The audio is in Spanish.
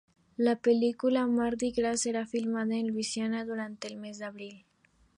La película Mardi Gras será filmada en Luisiana durante el mes de abril.